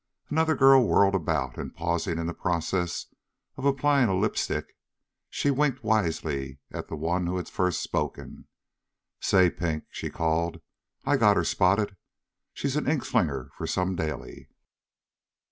Another girl whirled about and, pausing in the process of applying a lip stick, she winked wisely at the one who had first spoken. "Say, Pink," she called, "I got'er spotted. She's an ink slinger for some daily."